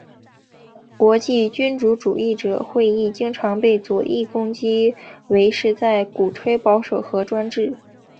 国际君主主义者会议经常被左翼攻击为是在鼓吹保守和专制。